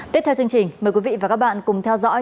tiếp theo chương trình mời quý vị và các bạn cùng theo dõi